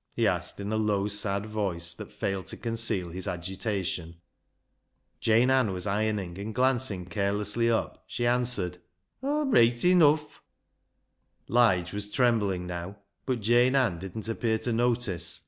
" he asked in a low sad voice that failed to conceal his agitation. 200 BECKSIDE LIGHTS Jane Ann was ironing, and glancing carelessly up, she answered —*' Aw'm reet eniiff." Lige was trembling now, but Jane Ann didn't appear to notice.